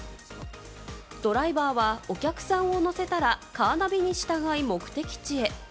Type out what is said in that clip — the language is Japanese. ドライバーはお客さんを乗せたら、カーナビに従い目的地へ。